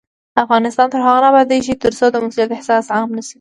افغانستان تر هغو نه ابادیږي، ترڅو د مسؤلیت احساس عام نشي.